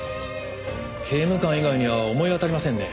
刑務官以外には思い当たりませんね。